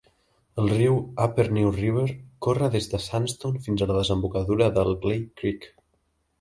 El riu Upper New River corre des de Sandstone fins a la desembocadura del Glade Creek.